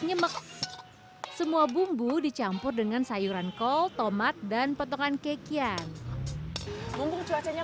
nyemek semua bumbu dicampur dengan sayuran kol tomat dan potongan kekian mumpung cuacanya